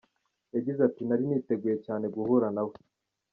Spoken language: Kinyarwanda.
Yagize ati “Nari niteguye cyane guhura nawe.